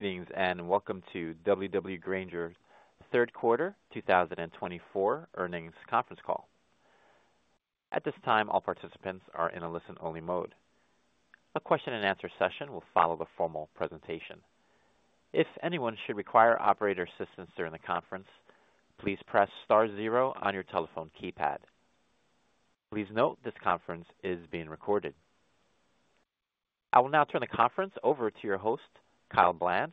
Greetings and welcome to W.W. Grainger's Third Quarter 2024 Earnings Conference Call. At this time, all participants are in a listen-only mode. A question-and-answer session will follow the formal presentation. If anyone should require operator assistance during the conference, please press star zero on your telephone keypad. Please note this conference is being recorded. I will now turn the conference over to your host, Kyle Bland,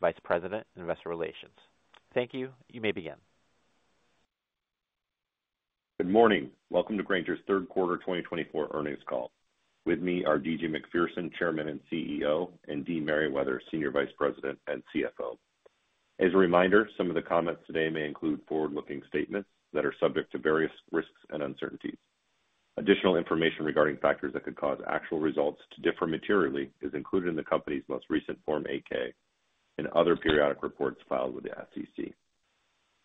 Vice President, Investor Relations. Thank you. You may begin. Good morning. Welcome to Grainger's third quarter 2024 earnings call. With me are D.G. Macpherson, Chairman and CEO, and Dee Merriwether, Senior Vice President and CFO. As a reminder, some of the comments today may include forward-looking statements that are subject to various risks and uncertainties. Additional information regarding factors that could cause actual results to differ materially is included in the company's most recent Form 10-K and other periodic reports filed with the SEC.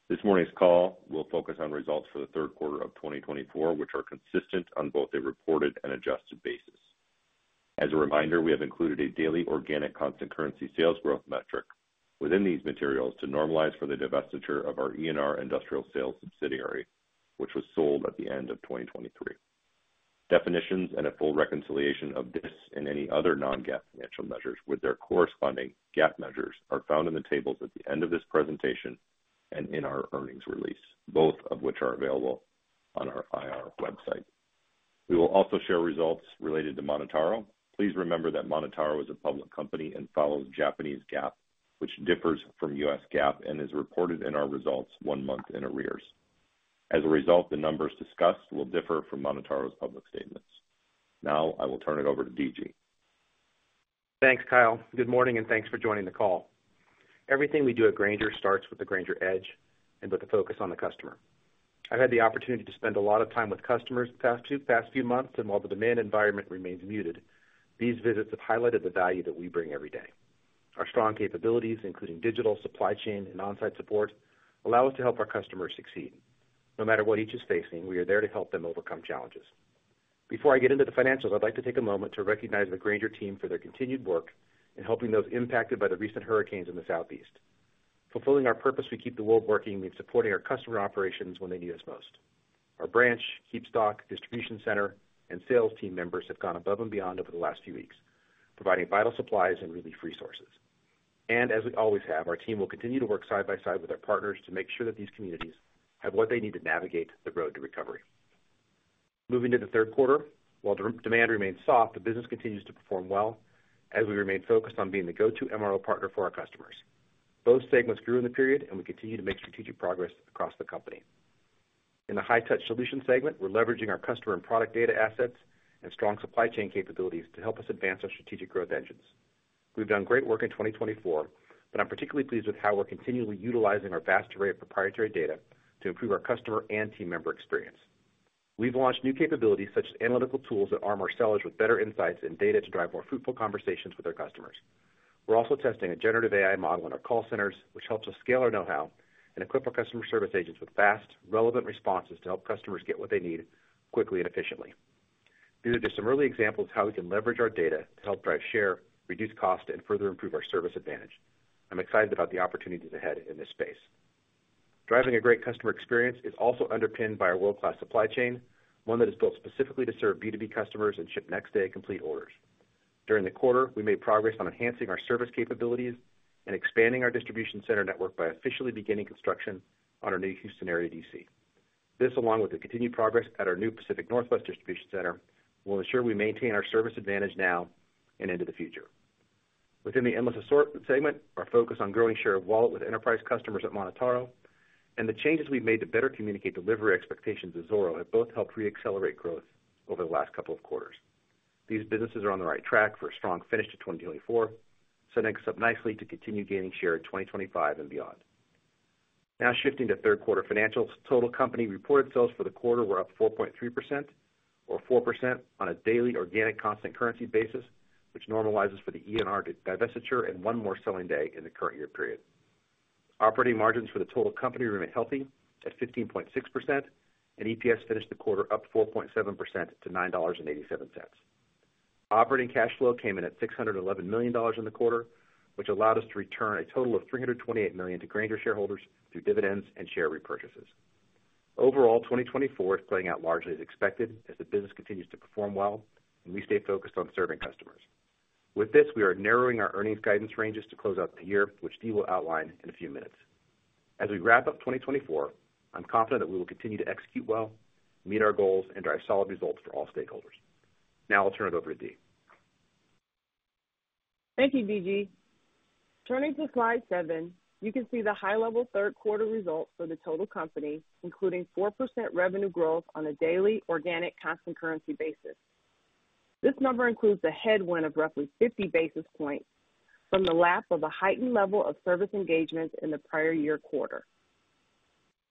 This morning's call will focus on results for the third quarter of 2024, which are consistent on both a reported and adjusted basis. As a reminder, we have included a daily organic constant currency sales growth metric within these materials to normalize for the divestiture of our E&R Industrial Sales subsidiary, which was sold at the end of 2023. Definitions and a full reconciliation of this and any other non-GAAP financial measures with their corresponding GAAP measures are found in the tables at the end of this presentation and in our earnings release, both of which are available on our IR website. We will also share results related to MonotaRO. Please remember that MonotaRO is a public company and follows Japanese GAAP, which differs from U.S. GAAP and is reported in our results one month in arrears. As a result, the numbers discussed will differ from MonotaRO's public statements. Now I will turn it over to D.G. Thanks, Kyle. Good morning and thanks for joining the call. Everything we do at Grainger starts with the Grainger Edge and with a focus on the customer. I've had the opportunity to spend a lot of time with customers the past few months, and while the demand environment remains muted, these visits have highlighted the value that we bring every day. Our strong capabilities, including digital supply chain and on-site support, allow us to help our customers succeed. No matter what each is facing, we are there to help them overcome challenges. Before I get into the financials, I'd like to take a moment to recognize the Grainger team for their continued work in helping those impacted by the recent hurricanes in the Southeast. Fulfilling our purpose, we keep the world working in supporting our customer operations when they need us most. Our branch, KeepStock, distribution center, and sales team members have gone above and beyond over the last few weeks, providing vital supplies and relief resources. And as we always have, our team will continue to work side by side with our partners to make sure that these communities have what they need to navigate the road to recovery. Moving to the third quarter, while demand remains soft, the business continues to perform well as we remain focused on being the go-to MRO partner for our customers. Both segments grew in the period, and we continue to make strategic progress across the company. In the High-Touch Solutions segment, we're leveraging our customer and product data assets and strong supply chain capabilities to help us advance our strategic growth engines. We've done great work in 2024, but I'm particularly pleased with how we're continually utilizing our vast array of proprietary data to improve our customer and team member experience. We've launched new capabilities such as analytical tools that arm our sellers with better insights and data to drive more fruitful conversations with our customers. We're also testing a generative AI model in our call centers, which helps us scale our know-how and equip our customer service agents with fast, relevant responses to help customers get what they need quickly and efficiently. These are just some early examples of how we can leverage our data to help drive share, reduce cost, and further improve our service advantage. I'm excited about the opportunities ahead in this space. Driving a great customer experience is also underpinned by our world-class supply chain, one that is built specifically to serve B2B customers and ship next-day complete orders. During the quarter, we made progress on enhancing our service capabilities and expanding our distribution center network by officially beginning construction on our new Houston area D.C. This, along with the continued progress at our new Pacific Northwest distribution center, will ensure we maintain our service advantage now and into the future. Within the Endless Assortment segment, our focus on growing share of wallet with enterprise customers at MonotaRO and the changes we've made to better communicate delivery expectations at Zoro have both helped re-accelerate growth over the last couple of quarters. These businesses are on the right track for a strong finish to 2024, setting us up nicely to continue gaining share in 2025 and beyond. Now shifting to third quarter financials, total company reported sales for the quarter were up 4.3% or 4% on a daily organic constant currency basis, which normalizes for the E&R divestiture and one more selling day in the current year period. Operating margins for the total company remain healthy at 15.6%, and EPS finished the quarter up 4.7% to $9.87. Operating cash flow came in at $611 million in the quarter, which allowed us to return a total of $328 million to Grainger shareholders through dividends and share repurchases. Overall, 2024 is playing out largely as expected as the business continues to perform well, and we stay focused on serving customers. With this, we are narrowing our earnings guidance ranges to close out the year, which Dee will outline in a few minutes. As we wrap up 2024, I'm confident that we will continue to execute well, meet our goals, and drive solid results for all stakeholders. Now I'll turn it over to Dee. Thank you, D.G. Turning to slide seven, you can see the high-level third quarter results for the total company, including 4% revenue growth on a daily organic constant currency basis. This number includes a headwind of roughly 50 basis points from the lap of a heightened level of service engagement in the prior year quarter.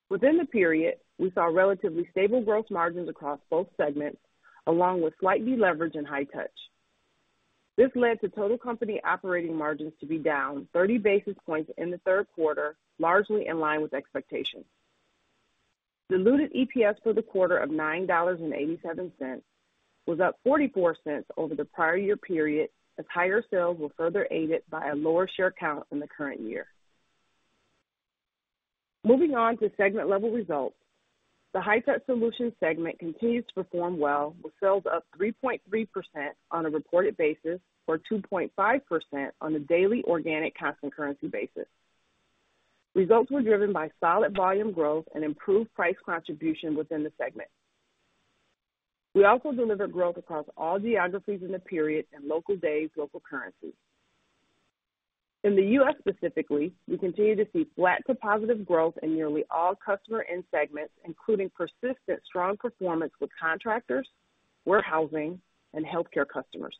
Within the period, we saw relatively stable gross margins across both segments, along with slight de-leverage and High-Touch. This led to total company operating margins to be down 30 basis points in the third quarter, largely in line with expectations. Diluted EPS for the quarter of $9.87 was up $0.44 over the prior year period, as higher sales were further aided by a lower share count in the current year. Moving on to segment-level results, the High-Touch Solutions segment continues to perform well, with sales up 3.3% on a reported basis or 2.5% on a daily organic constant currency basis. Results were driven by solid volume growth and improved price contribution within the segment. We also delivered growth across all geographies in the period and local days, local currency. In the U.S. specifically, we continue to see flat to positive growth in nearly all customer end segments, including persistent strong performance with contractors, warehousing, and healthcare customers.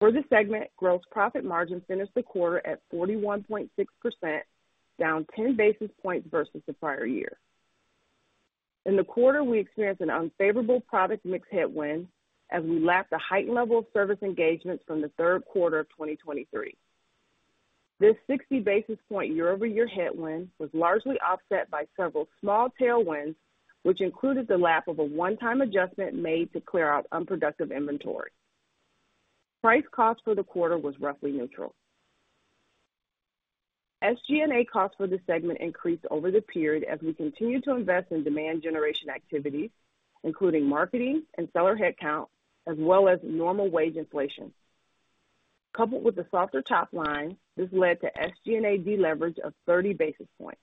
For this segment, gross profit margin finished the quarter at 41.6%, down 10 basis points versus the prior year. In the quarter, we experienced an unfavorable product mix headwind as we lapped a heightened level of service engagements from the third quarter of 2023. This 60 basis points year-over-year headwind was largely offset by several small tailwinds, which included the lap of a one-time adjustment made to clear out unproductive inventory. Price cost for the quarter was roughly neutral. SG&A cost for this segment increased over the period as we continued to invest in demand generation activities, including marketing and seller headcount, as well as normal wage inflation. Coupled with the softer top line, this led to SG&A de-leverage of 30 basis points.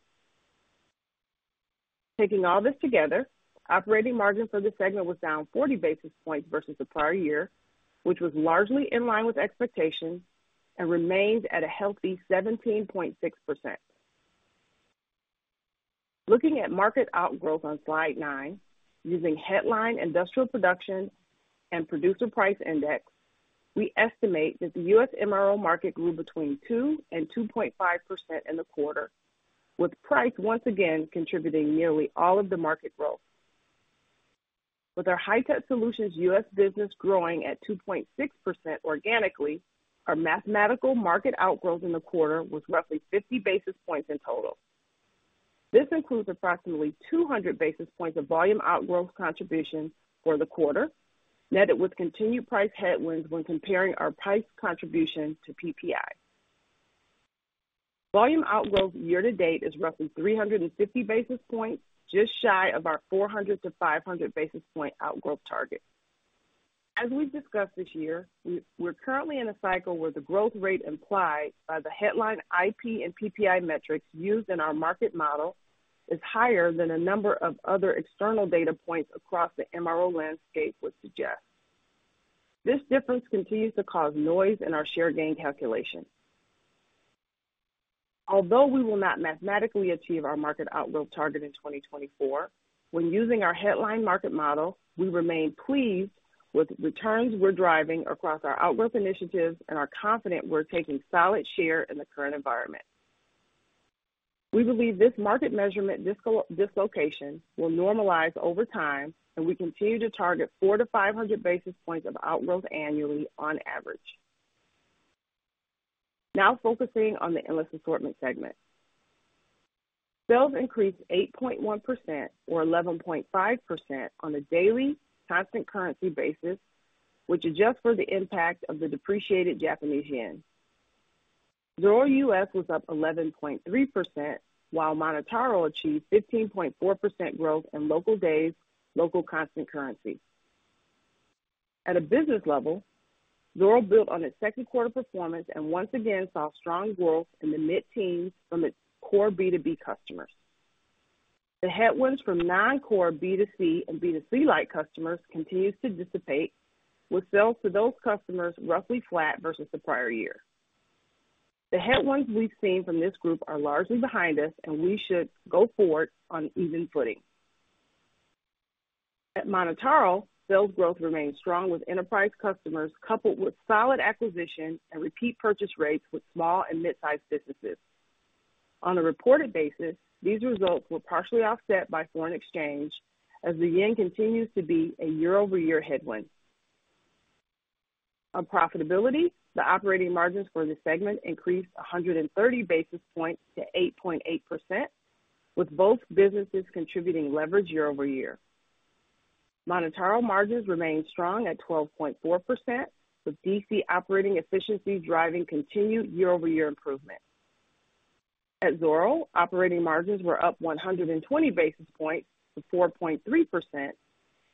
Taking all this together, operating margin for this segment was down 40 basis points versus the prior year, which was largely in line with expectations and remains at a healthy 17.6%. Looking at market outgrowth on slide nine, using headline industrial production and producer price index, we estimate that the U.S. MRO market grew between 2% and 2.5% in the quarter, with price once again contributing nearly all of the market growth. With our High-Touch Solutions U.S. business growing at 2.6% organically, our mathematical market outgrowth in the quarter was roughly 50 basis points in total. This includes approximately 200 basis points of volume outgrowth contribution for the quarter, netted with continued price headwinds when comparing our price contribution to PPI. Volume outgrowth year-to-date is roughly 350 basis points, just shy of our 400 basis point - 500 basis point outgrowth target. As we've discussed this year, we're currently in a cycle where the growth rate implied by the headline IP and PPI metrics used in our market model is higher than a number of other external data points across the MRO landscape would suggest. This difference continues to cause noise in our share gain calculation. Although we will not mathematically achieve our market outgrowth target in 2024, when using our headline market model, we remain pleased with returns we're driving across our outgrowth initiatives and are confident we're taking solid share in the current environment. We believe this market measurement dislocation will normalize over time, and we continue to target 400 basis point - 500 basis points of outgrowth annually on average. Now focusing on the Endless Assortment segment. Sales increased 8.1% or 11.5% on a daily constant currency basis, which adjusts for the impact of the depreciated Japanese yen. Zoro U.S. was up 11.3%, while MonotaRO achieved 15.4% growth in local currency, local constant currency. At a business level, Zoro built on its second quarter performance and once again saw strong growth in the mid-teens from its core B2B customers. The headwinds from non-core B2C and B2C-like customers continues to dissipate, with sales to those customers roughly flat versus the prior year. The headwinds we've seen from this group are largely behind us, and we should go forward on even footing. At MonotaRO, sales growth remains strong with enterprise customers coupled with solid acquisition and repeat purchase rates with small and mid-sized businesses. On a reported basis, these results were partially offset by foreign exchange as the yen continues to be a year-over-year headwind. On profitability, the operating margins for the segment increased 130 basis points to 8.8%, with both businesses contributing leverage year-over-year. MonotaRO margins remain strong at 12.4%, with DC operating efficiencies driving continued year-over-year improvement. At Zoro, operating margins were up 120 basis points to 4.3%,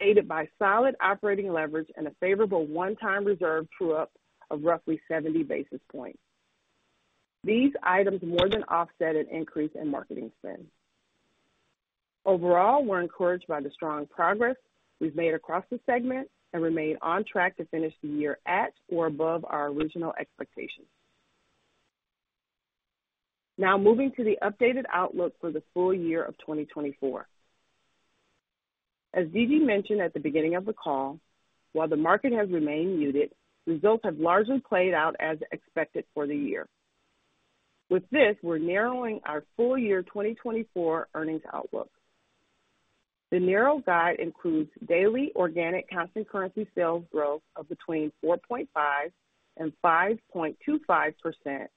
aided by solid operating leverage and a favorable one-time reserve true-up of roughly 70 basis points. These items more than offset an increase in marketing spend. Overall, we're encouraged by the strong progress we've made across the segment and remain on track to finish the year at or above our original expectations. Now moving to the updated outlook for the full year of 2024. As D.G. mentioned at the beginning of the call, while the market has remained muted, results have largely played out as expected for the year. With this, we're narrowing our full year 2024 earnings outlook. The narrow guide includes daily organic constant currency sales growth of between 4.5% and 5.25%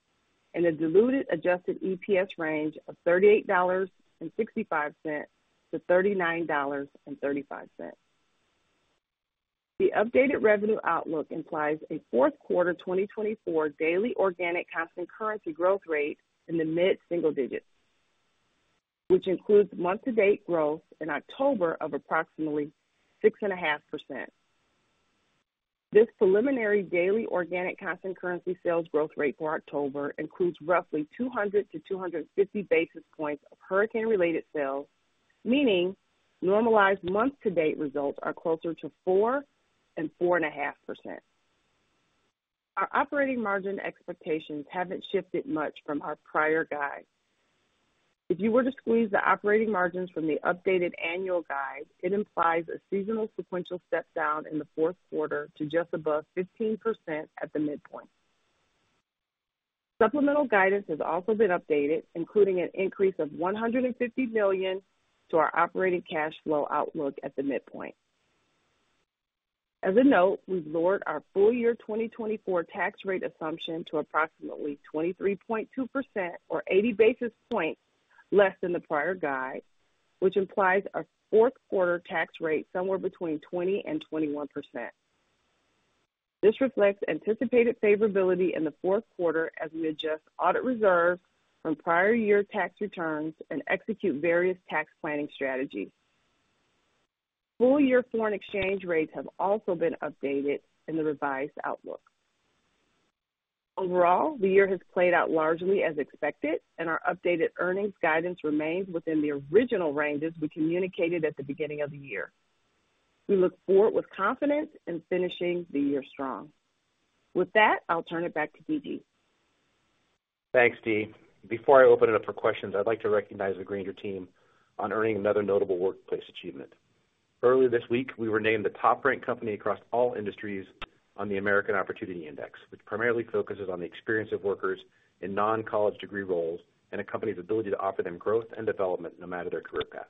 and a diluted adjusted EPS range of $38.65-$39.35. The updated revenue outlook implies a fourth quarter 2024 daily organic constant currency growth rate in the mid-single digits, which includes month-to-date growth in October of approximately 6.5%. This preliminary daily organic constant currency sales growth rate for October includes roughly 200 basis point - 250 basis points of hurricane-related sales, meaning normalized month-to-date results are closer to four and 4.5%. Our operating margin expectations haven't shifted much from our prior guide. If you were to squeeze the operating margins from the updated annual guide, it implies a seasonal sequential step down in the fourth quarter to just above 15% at the midpoint. Supplemental guidance has also been updated, including an increase of $150 million to our operating cash flow outlook at the midpoint. As a note, we've lowered our full year 2024 tax rate assumption to approximately 23.2% or 80 basis points less than the prior guide, which implies a fourth quarter tax rate somewhere between 20% and 21%. This reflects anticipated favorability in the fourth quarter as we adjust audit reserves from prior year tax returns and execute various tax planning strategies. Full year foreign exchange rates have also been updated in the revised outlook. Overall, the year has played out largely as expected, and our updated earnings guidance remains within the original ranges we communicated at the beginning of the year. We look forward with confidence in finishing the year strong. With that, I'll turn it back to D.G. Thanks, Dee. Before I open it up for questions, I'd like to recognize the Grainger team on earning another notable workplace achievement. Earlier this week, we were named the top-ranked company across all industries on the American Opportunity Index, which primarily focuses on the experience of workers in non-college degree roles and a company's ability to offer them growth and development no matter their career path.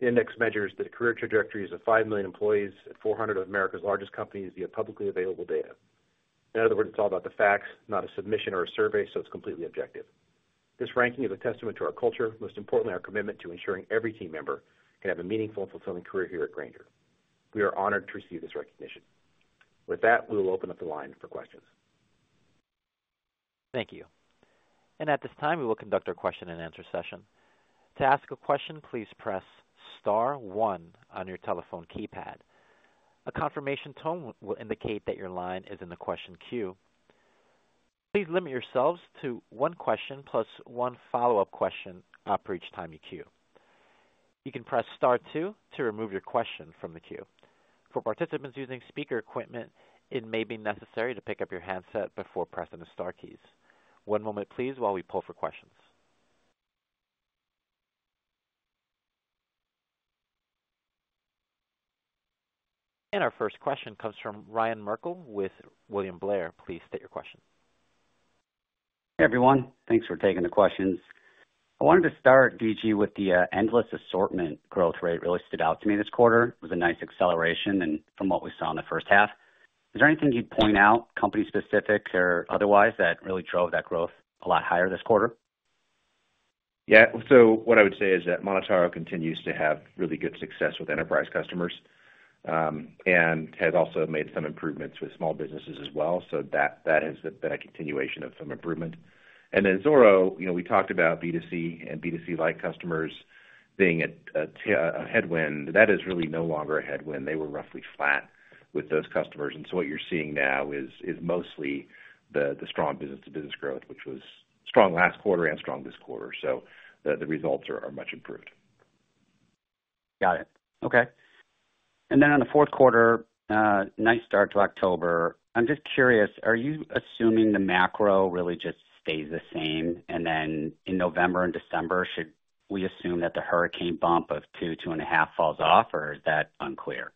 The index measures the career trajectories of 5 million employees at 400 of America's largest companies via publicly available data. In other words, it's all about the facts, not a submission or a survey, so it's completely objective. This ranking is a testament to our culture, most importantly our commitment to ensuring every team member can have a meaningful and fulfilling career here at Grainger. We are honored to receive this recognition. With that, we will open up the line for questions. Thank you. And at this time, we will conduct our question and answer session. To ask a question, please press star one on your telephone keypad. A confirmation tone will indicate that your line is in the question queue. Please limit yourselves to one question plus one follow-up question for each time you queue. You can press star two to remove your question from the queue. For participants using speaker equipment, it may be necessary to pick up your handset before pressing the star keys. One moment, please, while we pull for questions. And our first question comes from Ryan Merkel with William Blair. Please state your question. Hey, everyone. Thanks for taking the questions. I wanted to start, D.G., with the Endless Assortment growth rate really stood out to me this quarter. It was a nice acceleration from what we saw in the first half. Is there anything you'd point out, company-specific or otherwise, that really drove that growth a lot higher this quarter? Yeah. So what I would say is that MonotaRO continues to have really good success with enterprise customers and has also made some improvements with small businesses as well. So that has been a continuation of some improvement. And then Zoro, we talked about B2C and B2C-like customers being a headwind. That is really no longer a headwind. They were roughly flat with those customers. And so what you're seeing now is mostly the strong business-to-business growth, which was strong last quarter and strong this quarter. So the results are much improved. Got it. Okay. And then on the fourth quarter, nice start to October. I'm just curious, are you assuming the macro really just stays the same? And then in November and December, should we assume that the hurricane bump of two, two and a half falls off, or is that unclear?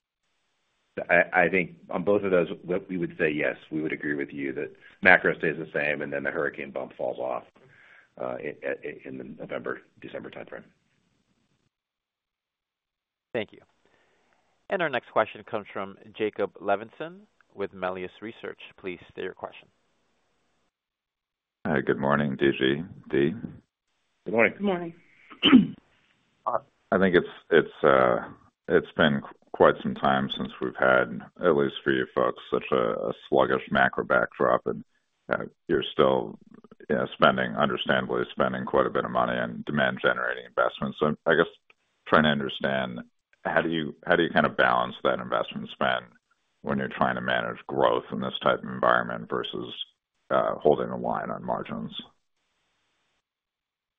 I think on both of those, we would say yes. We would agree with you that macro stays the same, and then the hurricane bump falls off in the November, December timeframe. Thank you. And our next question comes from Jacob Levinson with Melius Research. Please state your question. Hi. Good morning, D.G. Dee? Good morning. Good morning. I think it's been quite some time since we've had, at least for you folks, such a sluggish macro backdrop, and you're still, understandably, spending quite a bit of money on demand-generating investments. So I guess trying to understand how do you kind of balance that investment spend when you're trying to manage growth in this type of environment versus holding a line on margins?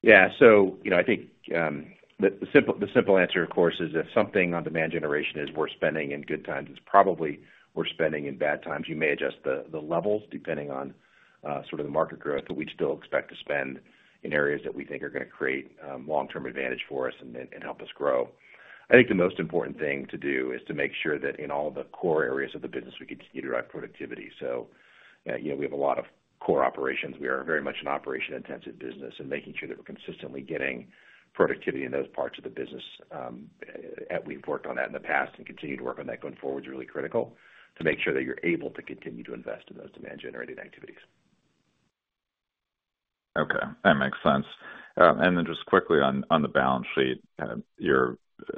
Yeah. So I think the simple answer, of course, is if spending on demand generation is worth it in good times, it's probably worth it in bad times. You may adjust the levels depending on sort of the market growth, but we'd still expect to spend in areas that we think are going to create long-term advantage for us and help us grow. I think the most important thing to do is to make sure that in all the core areas of the business, we continue to drive productivity. So we have a lot of core operations. We are very much an operation-intensive business, and making sure that we're consistently getting productivity in those parts of the business, and we've worked on that in the past and continue to work on that going forward is really critical to make sure that you're able to continue to invest in those demand-generating activities. Okay. That makes sense, and then just quickly on the balance sheet,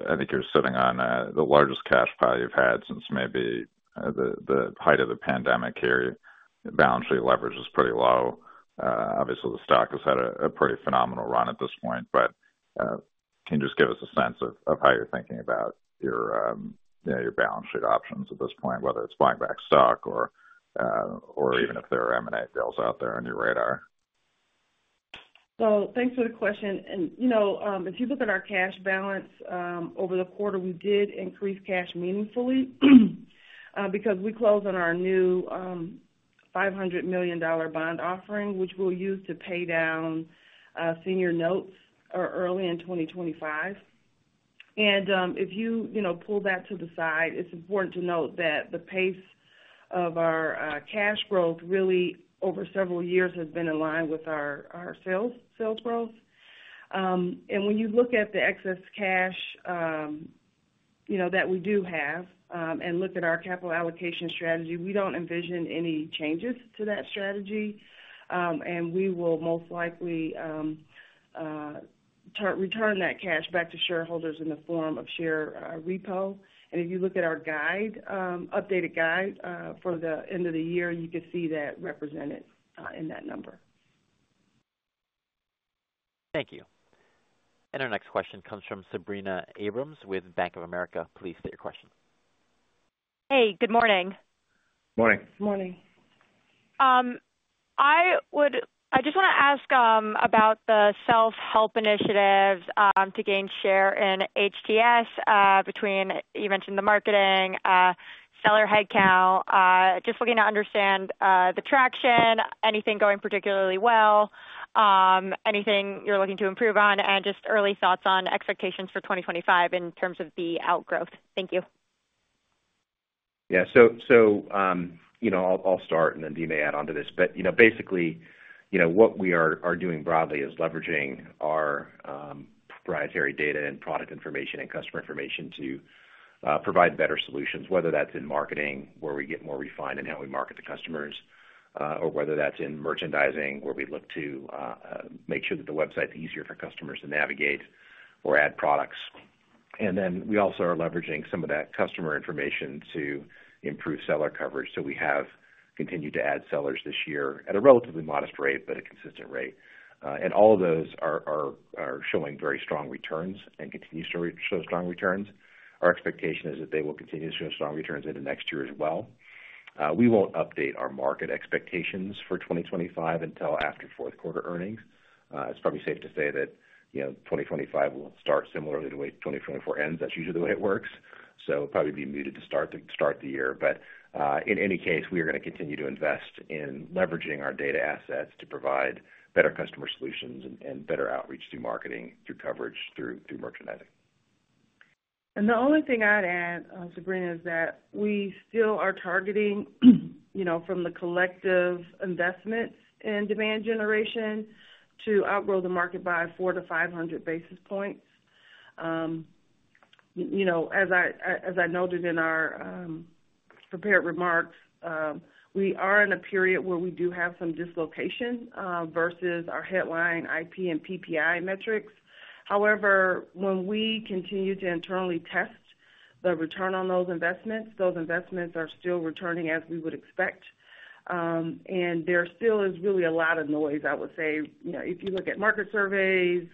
I think you're sitting on the largest cash pile you've had since maybe the height of the pandemic here. Balance sheet leverage is pretty low. Obviously, the stock has had a pretty phenomenal run at this point, but can you just give us a sense of how you're thinking about your balance sheet options at this point, whether it's buying back stock or even if there are M&A deals out there on your radar? Thanks for the question. And if you look at our cash balance over the quarter, we did increase cash meaningfully because we closed on our new $500 million bond offering, which we'll use to pay down senior notes early in 2025. And if you pull that to the side, it's important to note that the pace of our cash growth really, over several years, has been in line with our sales growth. And when you look at the excess cash that we do have and look at our capital allocation strategy, we don't envision any changes to that strategy, and we will most likely return that cash back to shareholders in the form of share repo. And if you look at our updated guide for the end of the year, you can see that represented in that number. Thank you. And our next question comes from Sabrina Abrams with Bank of America. Please state your question. Hey. Good morning. Morning. Morning. I just want to ask about the self-help initiatives to gain share in HTS between, you mentioned, the marketing, sales headcount. Just looking to understand the traction, anything going particularly well, anything you're looking to improve on, and just early thoughts on expectations for 2025 in terms of the outgrowth. Thank you. Yeah. So I'll start, and then Dee may add on to this. But basically, what we are doing broadly is leveraging our proprietary data and product information and customer information to provide better solutions, whether that's in marketing, where we get more refined in how we market to customers, or whether that's in merchandising, where we look to make sure that the website's easier for customers to navigate or add products. And then we also are leveraging some of that customer information to improve seller coverage. So we have continued to add sellers this year at a relatively modest rate but a consistent rate. And all of those are showing very strong returns and continue to show strong returns. Our expectation is that they will continue to show strong returns into next year as well. We won't update our market expectations for 2025 until after fourth quarter earnings. It's probably safe to say that 2025 will start similarly to the way 2024 ends. That's usually the way it works. So it'll probably be muted to start the year. But in any case, we are going to continue to invest in leveraging our data assets to provide better customer solutions and better outreach through marketing, through coverage, through merchandising. And the only thing I'd add, Sabrina, is that we still are targeting from the collective investments in demand generation to outgrow the market by 400 basis point - 500 basis points. As I noted in our prepared remarks, we are in a period where we do have some dislocation versus our headline IP and PPI metrics. However, when we continue to internally test the return on those investments, those investments are still returning as we would expect. And there still is really a lot of noise, I would say. If you look at market surveys,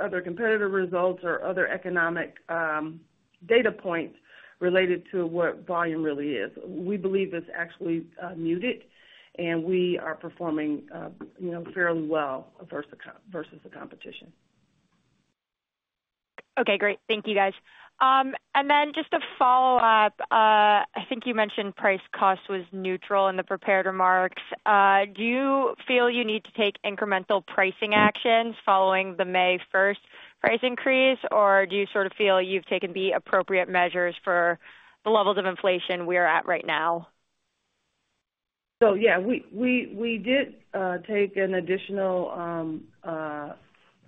other competitor results, or other economic data points related to what volume really is, we believe it's actually muted, and we are performing fairly well versus the competition. Okay. Great. Thank you, guys. And then just to follow up, I think you mentioned price cost was neutral in the prepared remarks. Do you feel you need to take incremental pricing actions following the May 1st price increase, or do you sort of feel you've taken the appropriate measures for the levels of inflation we are at right now? Yeah, we did take an additional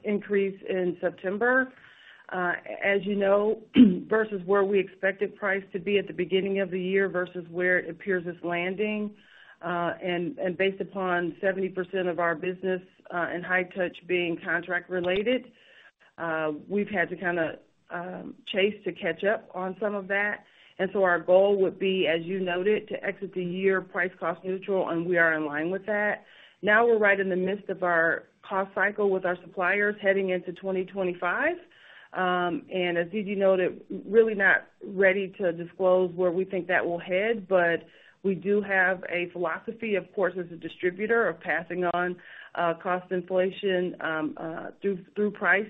increase in September, as you know, versus where we expected price to be at the beginning of the year versus where it appears it's landing. Based upon 70% of our business in High-Touch being contract-related, we've had to kind of chase to catch up on some of that. Our goal would be, as you noted, to exit the year price cost neutral, and we are in line with that. Now we're right in the midst of our cost cycle with our suppliers heading into 2025. As D.G. noted, really not ready to disclose where we think that will head, but we do have a philosophy, of course, as a distributor of passing on cost inflation through price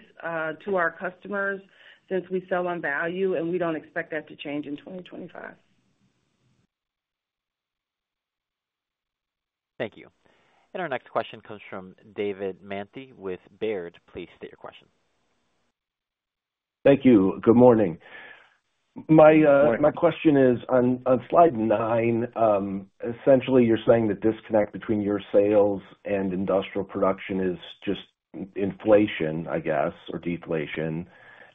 to our customers since we sell on value, and we don't expect that to change in 2025. Thank you. And our next question comes from David Manthey with Baird. Please state your question. Thank you. Good morning. My question is, on slide nine, essentially, you're saying the disconnect between your sales and industrial production is just inflation, I guess, or deflation,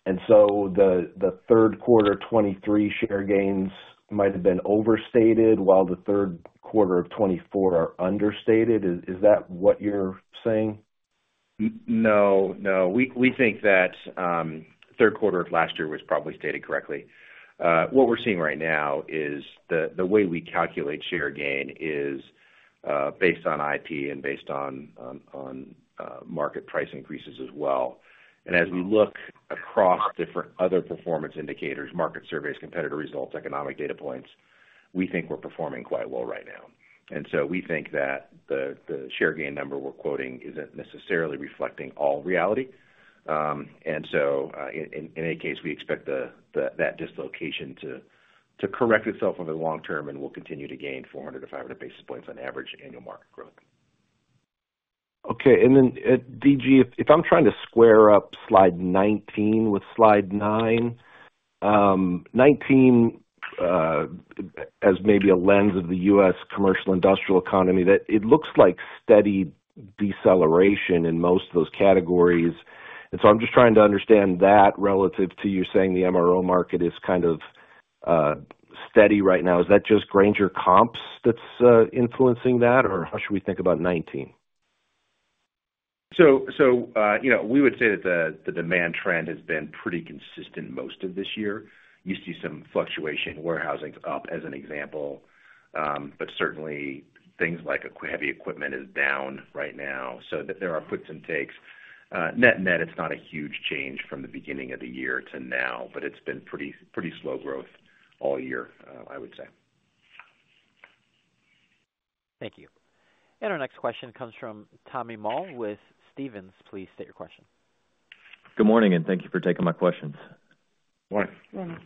and so the third quarter 2023 share gains might have been overstated, while the third quarter of 2024 are understated. Is that what you're saying? No. No. We think that third quarter of last year was probably stated correctly. What we're seeing right now is the way we calculate share gain is based on IP and based on market price increases as well. And as we look across different other performance indicators, market surveys, competitor results, economic data points, we think we're performing quite well right now. And so we think that the share gain number we're quoting isn't necessarily reflecting all reality. And so in any case, we expect that dislocation to correct itself over the long term, and we'll continue to gain 400 basis point - 500 basis points on average annual market growth. Okay. And then, D.G., if I'm trying to square up Slide 19 with Slide 9, 19 as maybe a lens of the U.S. commercial industrial economy, that it looks like steady deceleration in most of those categories. And so I'm just trying to understand that relative to you saying the MRO market is kind of steady right now. Is that just Grainger Comps that's influencing that, or how should we think about 19? So we would say that the demand trend has been pretty consistent most of this year. You see some fluctuation. Warehousing's up, as an example. But certainly, things like heavy equipment is down right now. So there are gives and takes. Net-net, it's not a huge change from the beginning of the year to now, but it's been pretty slow growth all year, I would say. Thank you. And our next question comes from Tommy Moll with Stephens. Please state your question. Good morning, and thank you for taking my questions. Morning. Morning.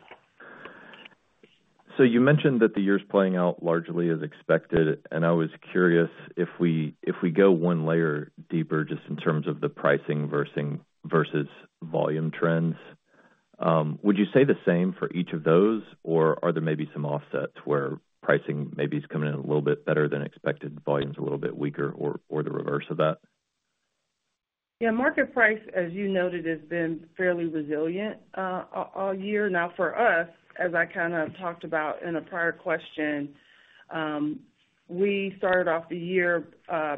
So you mentioned that the year's playing out largely as expected, and I was curious if we go one layer deeper just in terms of the pricing versus volume trends. Would you say the same for each of those, or are there maybe some offsets where pricing maybe is coming in a little bit better than expected, volume's a little bit weaker, or the reverse of that? Yeah. Market price, as you noted, has been fairly resilient all year. Now, for us, as I kind of talked about in a prior question, we started off the year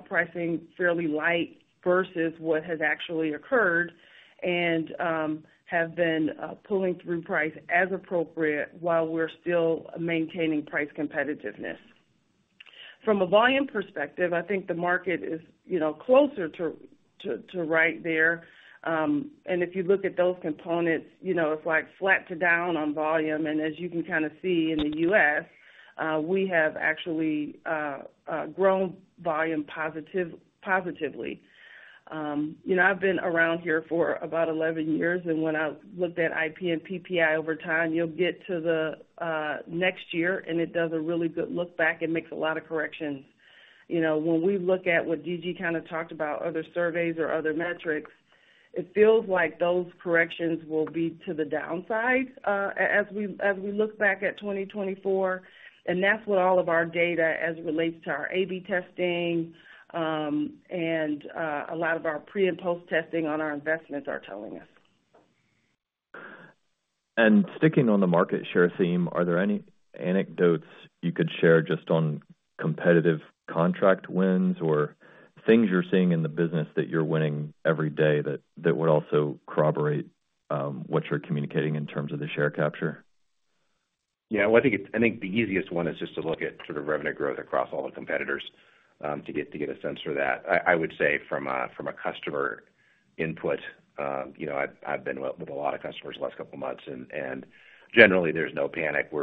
pricing fairly light versus what has actually occurred and have been pulling through price as appropriate while we're still maintaining price competitiveness. From a volume perspective, I think the market is closer to right there, and if you look at those components, it's like flat to down on volume, and as you can kind of see in the U.S., we have actually grown volume positively. I've been around here for about 11 years, and when I looked at IP and PPI over time, you'll get to the next year, and it does a really good look back and makes a lot of corrections. When we look at what Dee kind of talked about, other surveys or other metrics, it feels like those corrections will be to the downside as we look back at 2024, and that's what all of our data as it relates to our A/B testing and a lot of our pre and post-testing on our investments are telling us. Sticking on the market share theme, are there any anecdotes you could share just on competitive contract wins or things you're seeing in the business that you're winning every day that would also corroborate what you're communicating in terms of the share capture? Yeah. I think the easiest one is just to look at sort of revenue growth across all the competitors to get a sense for that. I would say from a customer input, I've been with a lot of customers the last couple of months, and generally, there's no panic. We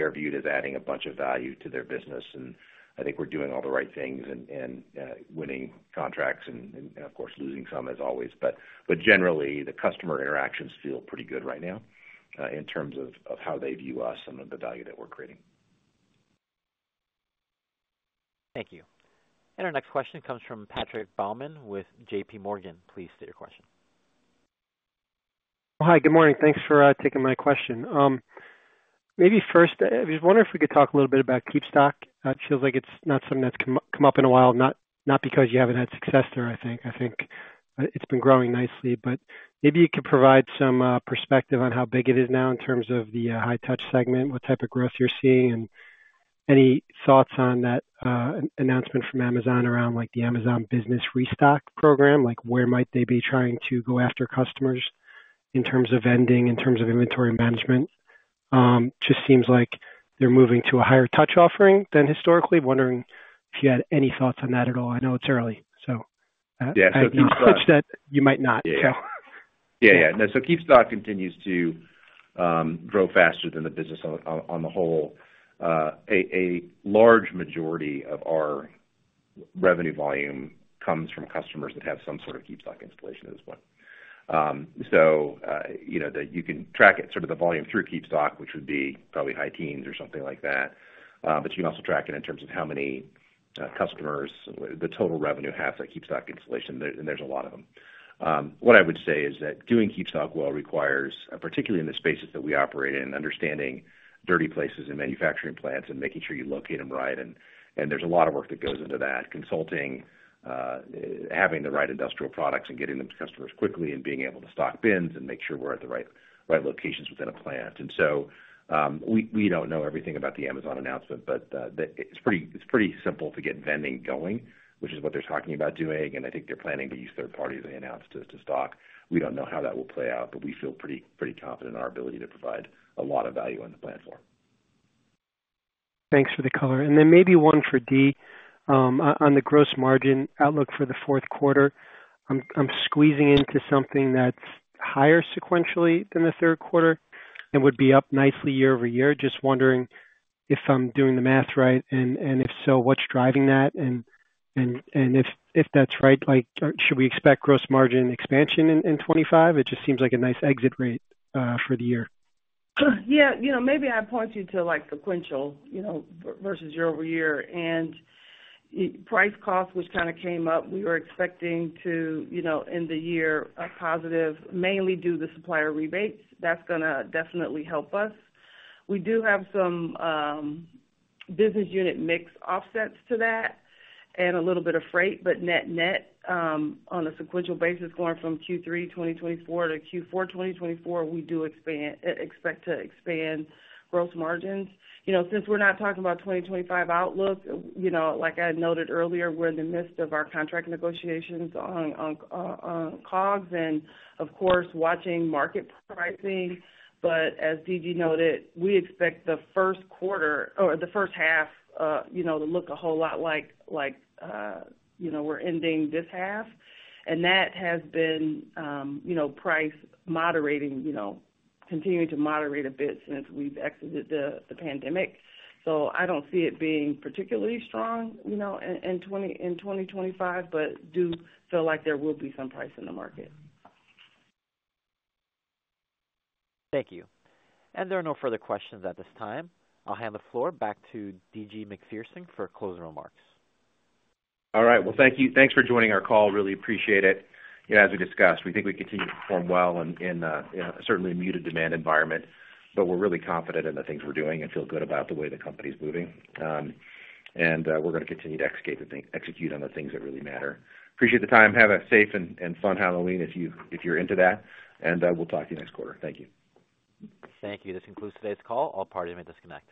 are viewed as adding a bunch of value to their business. I think we're doing all the right things and winning contracts and, of course, losing some as always. Generally, the customer interactions feel pretty good right now in terms of how they view us and the value that we're creating. Thank you. And our next question comes from Patrick Baumann with J.P. Morgan. Please state your question. Hi. Good morning. Thanks for taking my question. Maybe first, I was wondering if we could talk a little bit about KeepStock. It feels like it's not something that's come up in a while, not because you haven't had success there, I think. I think it's been growing nicely. But maybe you could provide some perspective on how big it is now in terms of the high-touch segment, what type of growth you're seeing, and any thoughts on that announcement from Amazon around the Amazon Business Restock program? Where might they be trying to go after customers in terms of vending, in terms of inventory management? It just seems like they're moving to a higher-touch offering than historically. Wondering if you had any thoughts on that at all. I know it's early, so. Yeah. KeepStock. I thought you said that you might not, so. Yeah. Yeah. Yeah. No. So KeepStock continues to grow faster than the business on the whole. A large majority of our revenue volume comes from customers that have some sort of KeepStock installation at this point. So you can track sort of the volume through KeepStock, which would be probably high teens or something like that. But you can also track it in terms of how many customers the total revenue has that KeepStock installation, and there's a lot of them. What I would say is that doing KeepStock well requires, particularly in the spaces that we operate in, understanding dirty places and manufacturing plants and making sure you locate them right. There's a lot of work that goes into that: consulting, having the right industrial products, and getting them to customers quickly, and being able to stock bins and make sure we're at the right locations within a plant. We don't know everything about the Amazon announcement, but it's pretty simple to get vending going, which is what they're talking about doing. I think they're planning to use third parties they announced to stock. We don't know how that will play out, but we feel pretty confident in our ability to provide a lot of value on the platform. Thanks for the color, and then maybe one for Dee. On the gross margin outlook for the fourth quarter, I'm squeezing into something that's higher sequentially than the third quarter and would be up nicely year-over-year. Just wondering if I'm doing the math right, and if so, what's driving that, and if that's right, should we expect gross margin expansion in 2025? It just seems like a nice exit rate for the year. Yeah. Maybe I point you to sequential versus year-over-year and price cost, which kind of came up. We were expecting to, in the year, a positive, mainly due to supplier rebates. That's going to definitely help us. We do have some business unit mix offsets to that and a little bit of freight, but net-net. On a sequential basis, going from Q3 2024 to Q4 2024, we do expect to expand gross margins. Since we're not talking about 2025 outlook, like I noted earlier, we're in the midst of our contract negotiations on COGS and, of course, watching market pricing. But as D.G. noted, we expect the first quarter or the first half to look a whole lot like we're ending this half, and that has been price moderating, continuing to moderate a bit since we've exited the pandemic. So I don't see it being particularly strong in 2025, but do feel like there will be some price in the market. Thank you. And there are no further questions at this time. I'll hand the floor back to D.G. Macpherson for closing remarks. All right, well, thank you. Thanks for joining our call. Really appreciate it. As we discussed, we think we continue to perform well in a certainly muted demand environment, but we're really confident in the things we're doing and feel good about the way the company's moving, and we're going to continue to execute on the things that really matter. Appreciate the time. Have a safe and fun Halloween if you're into that, and we'll talk to you next quarter. Thank you. Thank you. This concludes today's call. All parties may disconnect.